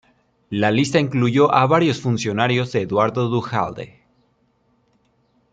La lista incluyó a varios funcionarios de Eduardo Duhalde.